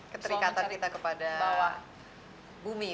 keterikatan kita kepada bumi